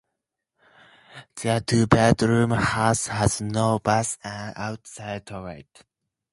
Their two-bedroom house had no bath and an outside toilet.